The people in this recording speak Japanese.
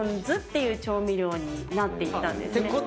酢っていう調味料になっていったんですね。